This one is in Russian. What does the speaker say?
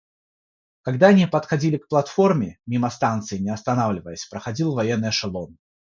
Когда они подходили к платформе, мимо станции, не останавливаясь, проходил военный эшелон.